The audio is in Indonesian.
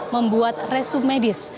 membuat resum medis